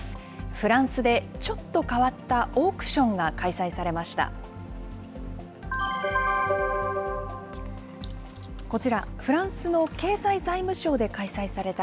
フランスでちょっと変わったオークションが開催されました。